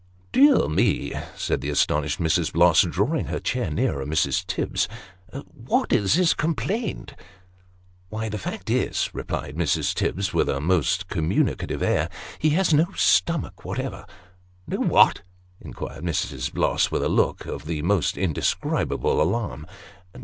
" Dear me !" said the astonished Mrs. Blosg, drawing her chair nearer Mrs. Tibbs. " What is his complaint ?"" Why, the fact is," replied Mrs. Tibbs, with a most communicative air, " he has no stomach whatever." " No what ?" inquired Mrs. Bloss, with a look of the most indescrib able alarm.